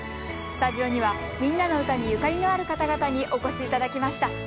スタジオには「みんなのうた」にゆかりのある方々にお越し頂きました。